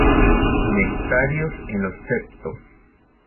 Nectarios en los septos.